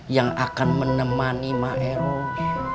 yang akan menemani maeros